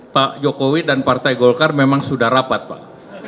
pak jokowi dan partai golkar memang sudah rapat pak